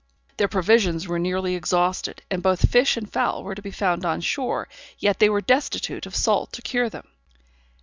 Their provisions were nearly exhausted, and both fish and fowl were to be found on shore, yet they were destitute of salt to cure them.